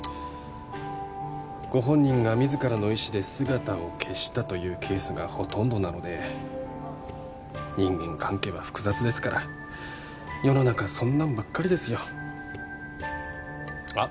ご本人が自らの意志で姿を消したというケースがほとんどなので人間関係は複雑ですから世の中そんなんばっかりですよあっ